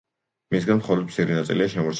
მისგან მხოლოდ მცირე ნაწილია შემორჩენილი.